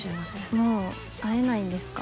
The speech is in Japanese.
もう会えないんですか？